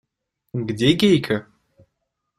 Где Гейка?